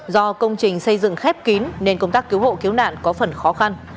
do công trình xây dựng khép kín nên công tác cứu hộ cứu nạn có phần khó khăn